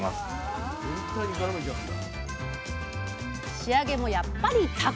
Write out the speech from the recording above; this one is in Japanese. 仕上げもやっぱりタコ！